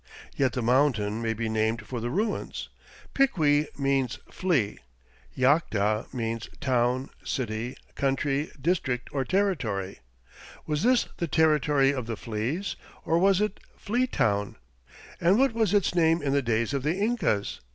Yet the mountain may be named for the ruins. Piqui means "flea"; llacta means "town, city, country, district, or territory." Was this "The Territory of the Fleas" or was it "Flea Town"? And what was its name in the days of the Incas?